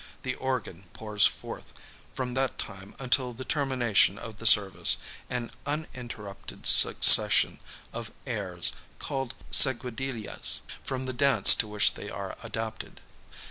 The organ pours forth, from that time until the termination of the service, an uninterrupted succession of airs, called seguidillas, from the dance to which they are adapted.